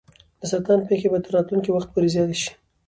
د سرطان پېښې به تر راتلونکي وخت پورې زیاتې شي.